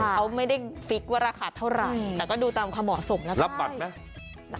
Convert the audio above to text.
เอาไม่ได้ฟิกว่าราคาเท่าไหร่แต่ก็ดูตามความเหมาะสมแล้วค่ะ